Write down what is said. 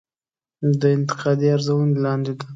دا انتقادي ارزونې لاندې ده.